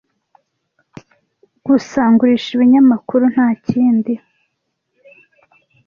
Gusa ngurisha ibinyamakuru, ntakindi.